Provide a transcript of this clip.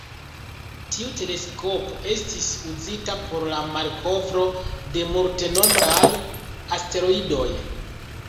Tiu teleskopo estis uzita por la malkovro de multenombraj asteroidoj.